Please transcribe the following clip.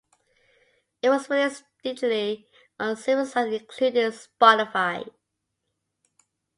It was released digitally on several sites including Spotify.